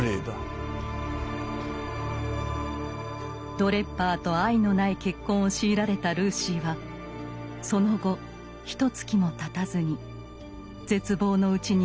ドレッバーと愛のない結婚を強いられたルーシーはその後ひとつきもたたずに絶望のうちに息絶えました。